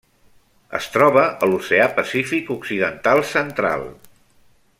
Es troba a l'Oceà Pacífic occidental central.